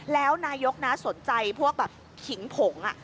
แล้วนายกนะสนใจพวกแบบขิงผง